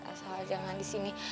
asal jangan disini